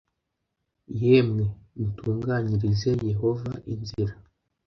yemwe mutunganyirize yehova inzira.